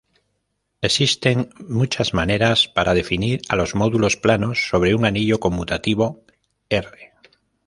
Existen muchas maneras para definir a los módulos planos sobre un anillo conmutativo "R".